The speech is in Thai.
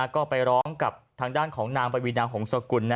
ก็ไปร้องกับทางด้านของนางปวีนาหงษกุล